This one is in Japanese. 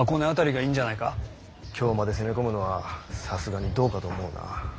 ・京まで攻め込むのはさすがにどうかと思うが。